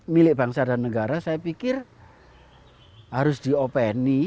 milik bangsa dan negara saya pikir harus diopeni